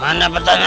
nah mana petanya